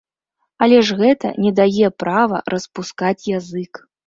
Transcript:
Але ж гэта не дае права распускаць язык.